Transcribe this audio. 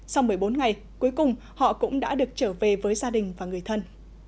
sau một mươi bốn ngày cuối cùng họ cũng đã được trở về với gia đình và người thân